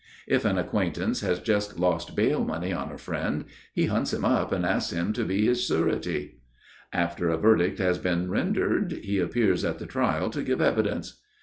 If an acquaintance has just lost bail money on a friend, he hunts him up and asks him to be his surety. After a verdict has been rendered he appears at the trial to give evidence.